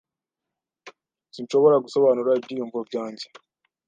Sinshobora gusobanura ibyiyumvo byanjye.